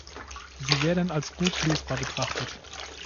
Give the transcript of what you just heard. Sie werden als gut lesbar betrachtet.